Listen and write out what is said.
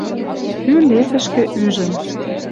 кӱ ЛЕФ-ӹшкӹ ӱжӹн